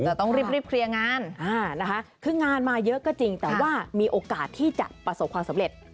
แต่ต้องรีบเคลียร์งานนะคะคืองานมาเยอะก็จริงแต่ว่ามีโอกาสที่จะประสบความสำเร็จ